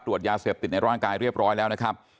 ตรวจยาเสพติดในร่างกายเรียบร้อยแล้วนะครับ